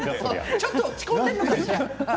ちょっと落ち込んでるのかしら？